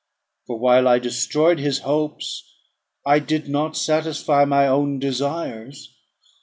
For while I destroyed his hopes, I did not satisfy my own desires.